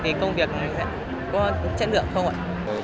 thì công việc này có chất lượng không ạ